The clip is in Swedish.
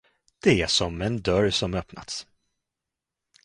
Det är som en dörr som öppnats.